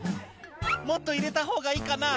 「もっと入れたほうがいいかな」